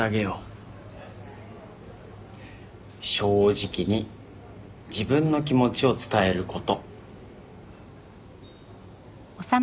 正直に自分の気持ちを伝えること。